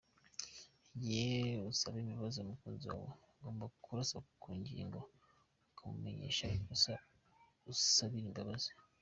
Igihe usaba imbabazi umukunzi wawe ugomba kurasa ku ngingo ukamumenyesha ikosa usabira imbabazi.